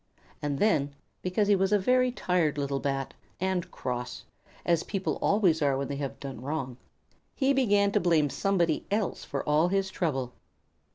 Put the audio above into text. And then, because he was a very tired little Bat, and cross, as people always are when they have done wrong, he began to blame somebody else for all his trouble.